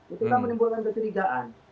itulah menimbulkan ketidikaan